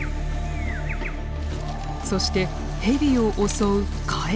そしてヘビを襲うカエル。